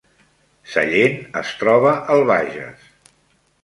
Sallent es troba al Bages